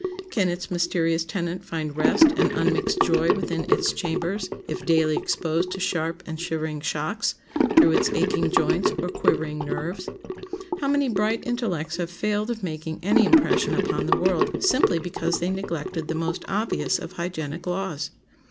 Can its mysterious tenant find rest and unmixed joy within its chambers if daily exposed to sharp and shivering shocks through its aching joints or quivering nerves? How many bright intellects have failed of making any impression upon the world simply because they neglected the most obvious of hygienic laws!